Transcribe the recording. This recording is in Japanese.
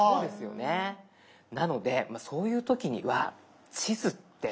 なのでそういう時には地図って。